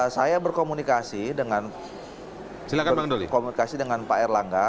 saya berkomunikasi dengan pak erlangga